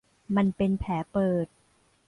มันเป็นแผลเปิด